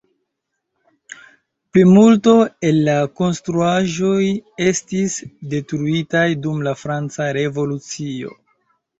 Plimulto el la konstruaĵoj estis detruitaj dum la franca revolucio.